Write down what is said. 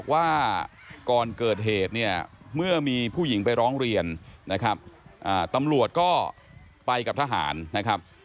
ว่าก่อนเกิดเหตุเนี่ยเมื่อมีผู้หญิงไปร้องเรียนนะครับตำรวจก็ไปกับทหารนะครับ